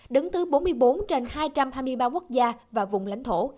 đứng thứ bốn mươi bốn